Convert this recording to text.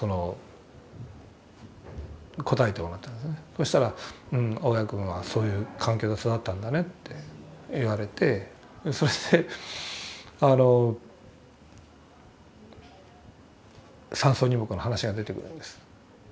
そしたら「雄谷君はそういう環境で育ったんだね」って言われてそれであの「三草二木」の話が出てくるんです。